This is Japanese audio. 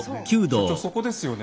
所長そこですよね。